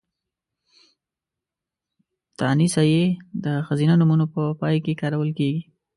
تانيث ۍ د ښځينه نومونو په پای کې کارول کېږي.